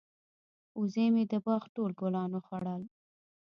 وزې مې د باغ ټول ګلان وخوړل.